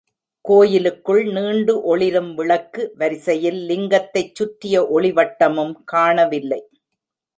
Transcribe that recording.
கோயிலுக்குள் நீண்டு ஒளிரும் விளக்கு வரிசையில் லிங்கத்தைச் சுற்றிய ஒளிவட்டமும் காணவில்லை.